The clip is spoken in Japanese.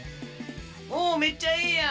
おめっちゃええやん！